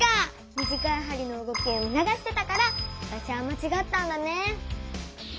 短いはりの動きを見のがしてたからわたしはまちがったんだね。